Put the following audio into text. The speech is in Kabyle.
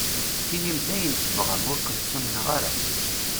Inim-d ayen tebɣam, ur ken-ttamneɣ ara.